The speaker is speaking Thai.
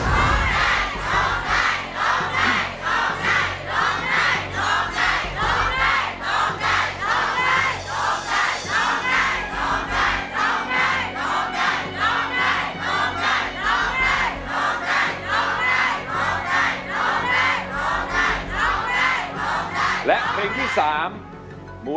โทษให้โทษให้โทษให้โทษให้